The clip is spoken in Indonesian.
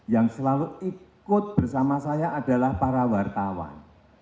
yang selalu ikut bersama saya adalah para wartawan